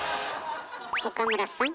岡村さん。